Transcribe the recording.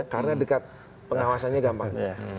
karena dekat pengawasannya gampang